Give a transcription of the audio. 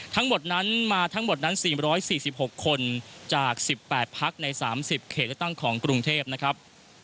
ทั้งหมดนั้นมาทั้งหมดนั้น๔๔๖คนจาก๑๘พักใน๓๐เขตเลือกตั้งของกรุงเทพนะครับ